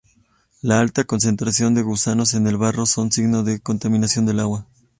La alta concentración de gusanos en el barro son signo de contaminación del agua.